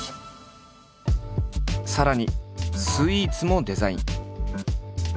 さらにスイーツもデザイン。